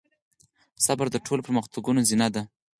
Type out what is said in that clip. صبر د ټولو پرمختګونو زينه ده.